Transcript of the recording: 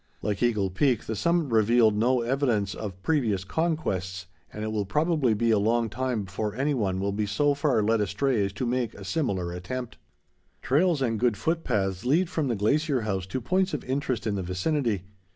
Like Eagle Peak, the summit revealed no evidence of previous conquests, and it will probably be a long time before any one will be so far led astray as to make a similar attempt. Trails and good foot paths lead from the Glacier House to points of interest in the vicinity.